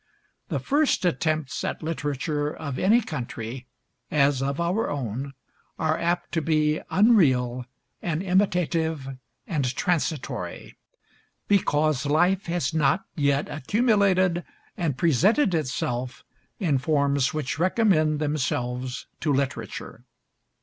The first attempts at literature of any country, as of our own, are apt to be unreal and imitative and transitory, because life has not yet accumulated and presented itself in forms which recommend themselves to literature.